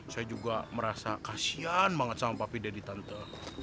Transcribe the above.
saya juga merasa kasian banget sama papi deddy tante